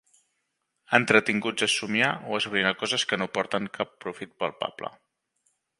Entretinguts a somniar o esbrinar coses que no porten cap profit palpable.